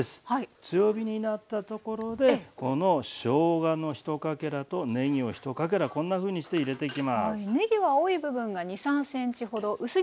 強火になったところでこのしょうがの１かけらとねぎを１かけらこんなふうにして入れていきます。